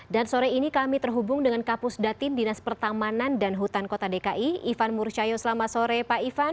dan sore ini kami terhubung dengan kapus datin dinas pertamanan dan hutan kota dki ivan murshaya selamat sore pak ivan